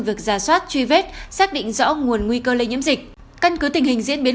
việc giả soát truy vết xác định rõ nguồn nguy cơ lây nhiễm dịch căn cứ tình hình diễn biến